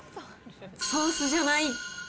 ソースじゃない。